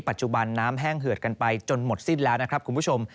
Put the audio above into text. ปัจจุบันน้ำแห้งเหือดกันไปจนหมดสิ้นแล้วนะครับคุณผู้ชม